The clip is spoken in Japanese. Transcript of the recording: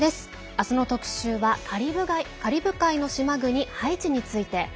明日の特集はカリブ海の島国ハイチについて。